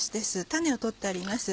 種を取ってあります。